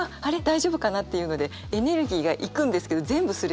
大丈夫かなっていうのでエネルギーがいくんですけど全部すれ違って。